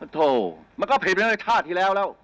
โธ่มันแผดไปขึ้นท่าทีแล้วแล้ว